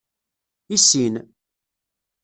Issin.